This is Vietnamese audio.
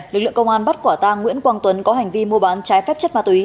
lực lượng công an bắt quả tang nguyễn quang tuấn có hành vi mua bán trái phép chất ma túy